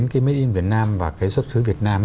cái made in việt nam và cái xuất xứ việt nam